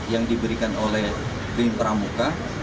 yang diberikan oleh tim pramuka